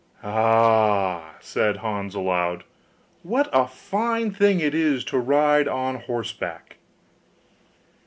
'Ah!' said Hans aloud, 'what a fine thing it is to ride on horseback!